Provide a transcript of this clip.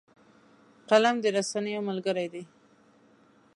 قلم د رسنیو ملګری دی